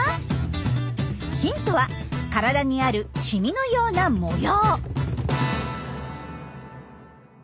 ヒントは体にあるシミのような模様。